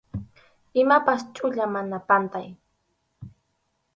Imapas chʼuya, mana pantay.